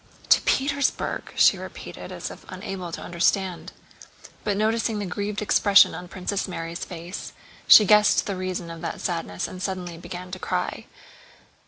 "To Petersburg!" she repeated as if unable to understand. But noticing the grieved expression on Princess Mary's face she guessed the reason of that sadness and suddenly began to cry.